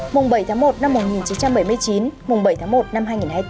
mùng bảy tháng một năm một nghìn chín trăm bảy mươi chín mùng bảy tháng một năm hai nghìn hai mươi bốn